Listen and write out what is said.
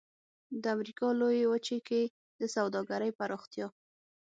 د امریکا لویې وچې کې د سوداګرۍ پراختیا.